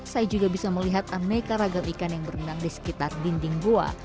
saya juga bisa melihat aneh karagam ikan yang berenang di sekitar dinding gua